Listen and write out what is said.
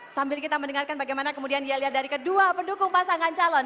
sambil kita mendengarkan bagaimana kemudian dia lihat dari kedua pendukung pasangan calon